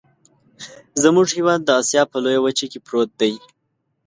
زمونږ هیواد د اسیا په لویه وچه کې پروت دی.